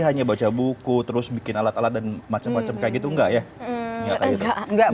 hanya baca buku terus bikin alat alat dan macam macam kayak gitu enggak ya nyata gitu enggak